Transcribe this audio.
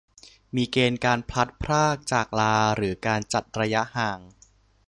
มีเกณฑ์การพลัดพรากจากลาหรือการจัดระยะห่าง